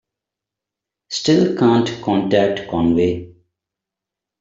Still can't contact Conway.